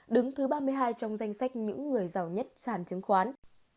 đứng thứ ba mươi hai trong danh sách những người giàu nhất sản chứng khoán